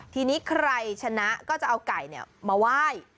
ทีนี้ใครชนะก็จะเอาไก่มาไหว้